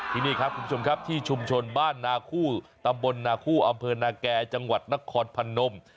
ที่นี่ครับคุณผู้ชมครับที่ชุมชนบ้านนาคู่ตำบลนาคู่อำเภอนาแก่จังหวัดนครพนม